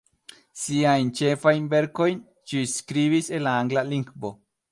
Siajn ĉefajn verkojn ŝi skribis en la angla lingvo.